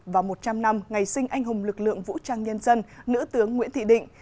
và một trăm linh năm ngày sinh anh hùng lực lượng vũ trang nhân dân nữ tướng nguyễn thị định